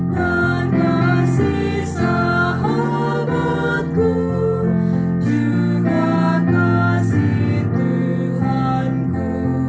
dan kasih sahabatku juga kasih tuhanku